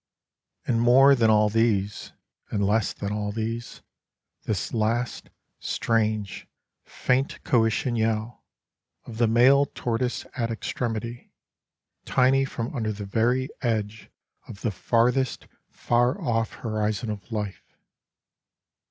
And more than all these, And less than all these, This last, Strange, faint coition yell Of the male tortoise at extremity, Tiny from under the very edge of the farthest far off horizon of life.